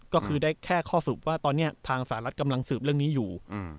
ก็คือได้แค่ข้อสรุปว่าตอนนี้ทางสหรัฐกำลังสืบเรื่องนี้อยู่